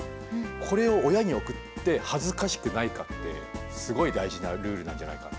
これを親に送って恥ずかしくないかってすごい大事なルールなんじゃないか。